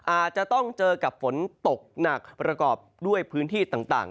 อาจจะต้องเจอกับฝนตกหนักประกอบด้วยพื้นที่ต่าง